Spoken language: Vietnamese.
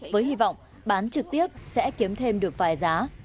với hy vọng bán trực tiếp sẽ kiếm thêm được vài giá